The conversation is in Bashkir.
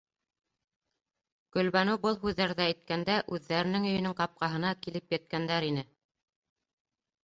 - Гөлбаныу был һүҙҙәрҙе әйткәндә үҙҙәренең өйөнөң ҡапҡаһына килеп еткәндәр ине.